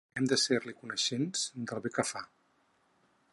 Hem d'ésser-li coneixents del bé que fa.